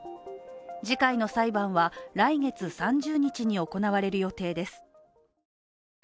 次回の裁判は来月３０日に行われる予定です。